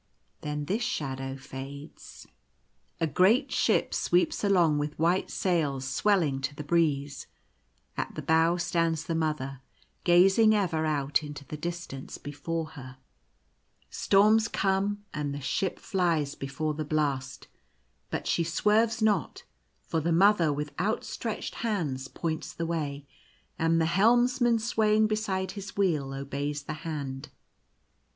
Then this shadow fades. A great ship sweeps along with white sails swelling to the breeze ; at the bow stands the Mother, gazing ever out into the distance before her. ^ The Island found. 97 Storms come and the ship flies before the blast ; but she swerves not, for the Mother, with outstretched hand, points the way, and the helmsman swaying beside his wheel obeys the hand.